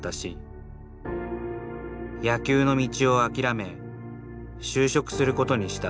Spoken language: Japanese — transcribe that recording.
野球の道を諦め就職することにした。